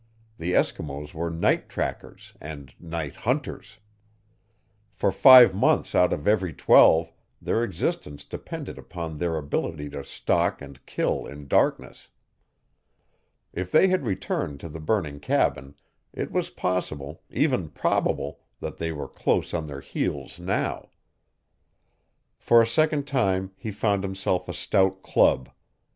The Eskimos were night trackers and night hunters. For five months out of every twelve their existence depended upon their ability to stalk and kill in darkness. If they had returned to the burning cabin it was possible, even probable, that they were close on their heels now. For a second time he found himself a stout club.